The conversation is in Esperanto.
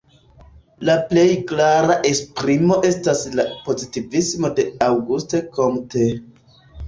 La plej klara esprimo estas la pozitivismo de Auguste Comte.